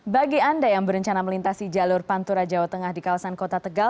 bagi anda yang berencana melintasi jalur pantura jawa tengah di kawasan kota tegal